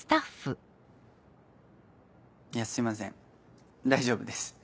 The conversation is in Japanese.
いやすいません大丈夫です。